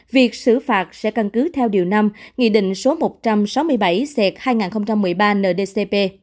việc xử phạt sẽ căn cứ theo điều năm nghị định số một trăm sáu mươi bảy ct hai nghìn một mươi ba ndcp